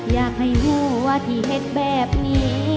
อยากให้รู้ว่าที่เห็ดแบบนี้